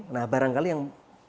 nah barangkali yang